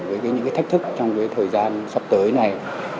với những cái thách thức trong cái thời gian sắp tới này